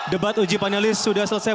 debat uji panelis sudah selesai